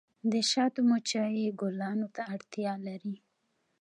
د شاتو مچۍ ګلانو ته اړتیا لري